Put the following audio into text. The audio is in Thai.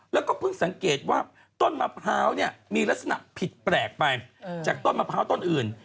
แล้วก็เพิ่งสังเกตว่าต้นมะพร้าวเนี่ยมีลักษณะผิดแปลกไปจากต้นมะพร้าวต้นอื่น